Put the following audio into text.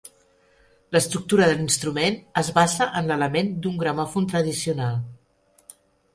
L'estructura de l'instrument es basa en l'element d'un gramòfon tradicional.